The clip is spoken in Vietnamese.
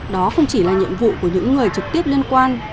đó không chỉ là nhiệm vụ của những người trực tiếp liên quan